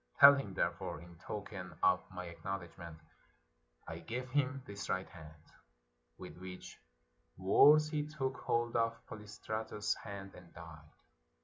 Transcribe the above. Tell him, therefore, in token of my acknowledgment, I give him this right hand," with which words he took hold of Polystratus's hand and died.